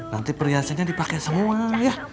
nanti perhiasannya dipakai semua ya